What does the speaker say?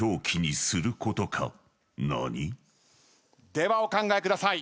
ではお考えください。